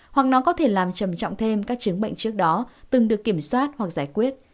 hoặc nó có thể làm trầm trọng thêm các chứng bệnh trước đó từng được kiểm soát hoặc giải quyết